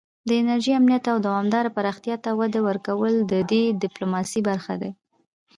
د انرژۍ امنیت او دوامداره پراختیا ته وده ورکول د دې ډیپلوماسي برخې دي